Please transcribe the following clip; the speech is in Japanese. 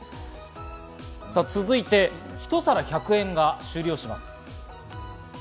続いて、１皿１００円が終了します。